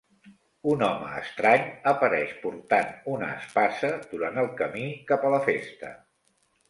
Un home estrany apareix portant una espasa durant el camí cap a la festa.